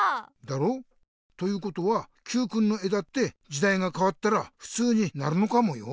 だろ？ということはＱくんの絵だってじだいがかわったらふつうになるのかもよ。